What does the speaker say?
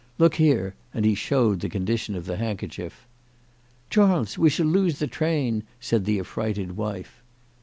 " Look here," and he showed the condition of the handkerchief. " Charles, we shall lose the train," said the affrighted wife.